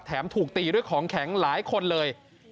ถูกตีด้วยของแข็งหลายคนเลย